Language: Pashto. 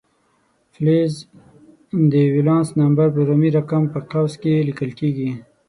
فلز د ولانس نمبر په رومي رقم په قوس کې لیکل کیږي.